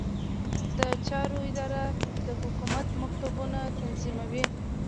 د چارو اداره د حکومت مکتوبونه تنظیموي